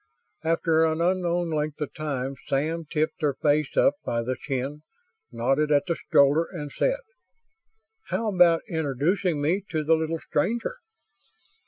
After an unknown length of time Sam tipped her face up by the chin, nodded at the stroller, and said, "How about introducing me to the little stranger?"